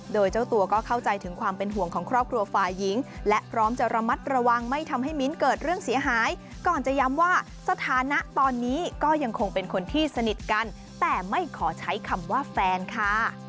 โดยเจ้าตัวก็เข้าใจถึงความเป็นห่วงของครอบครัวฝ่ายหญิงและพร้อมจะระมัดระวังไม่ทำให้มิ้นเกิดเรื่องเสียหายก่อนจะย้ำว่าสถานะตอนนี้ก็ยังคงเป็นคนที่สนิทกันแต่ไม่ขอใช้คำว่าแฟนค่ะ